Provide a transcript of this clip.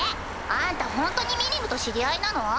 あんたホントにミリムと知り合いなの？